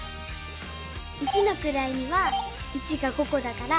一のくらいには１が５こだから５。